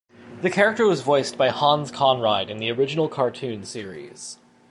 The character was voiced by Hans Conried in the original cartoon series.